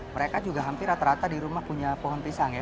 mereka juga hampir rata rata di rumah punya pohon pisang ya